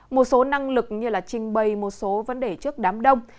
một số năng lực như là trình bày một số vấn đề trước đám đông